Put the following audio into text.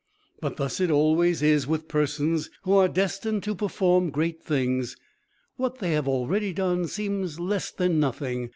But thus it always is with persons who are destined to perform great things. What they have already done seems less than nothing.